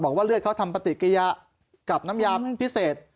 ว่าเลือดเขาทำปฏิกิยากับน้ำยาพิเศษ